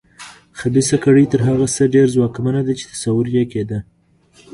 خبیثه کړۍ تر هغه څه ډېره ځواکمنه ده چې تصور یې کېده.